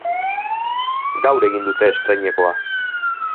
Gaur egin du estreinekoa.